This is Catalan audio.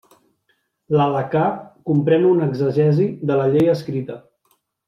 L'Halacà comprèn una exegesi de la Llei escrita.